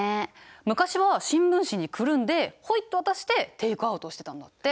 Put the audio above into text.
昔は新聞紙にくるんでホイッと渡してテイクアウトをしてたんだって。